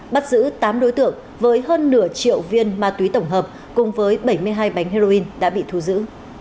bắt giữ tám đối tượng với hơn nửa triệu viên ma túy tổng hợp cùng với bảy mươi hai bánh heroin đã bị thu giữ